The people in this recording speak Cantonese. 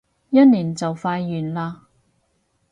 一年就快完嘞